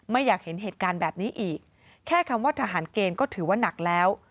ไม่อยากเห็นเหตุการณ์แบบนี้อีกแค่คำว่าทหารเกณฑ์ก็ถือว่านักแล้ว